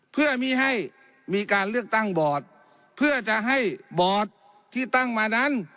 เพื่อไม่ให้มีการเลือกตั้งบอร์ดเพื่อจะให้บอร์ดที่ตั้งมานั้น